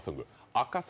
赤坂！